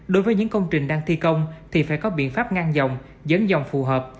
đối với những công trình đang thi công thì phải có biện pháp ngang dòng dấn dòng phù hợp